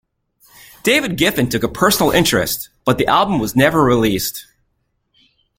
David Geffen took a personal interest, but the album was never released.